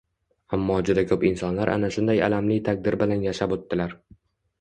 Ammo juda ko`p insonlar ana shunday alamli taqdir bilan yashab o`tdilar